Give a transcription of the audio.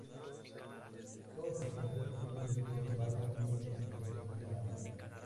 Todos sus compuestos químicos raros tienen propiedades comparables.